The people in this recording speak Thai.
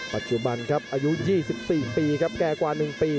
ปัจจุบันครับอายุ๒๔ปีครับแก่กว่า๑ปี